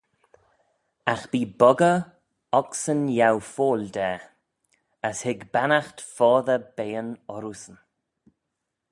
Agh bee boggey ocsyn yiow foill da, as hig bannaght foddey beayn orroosyn.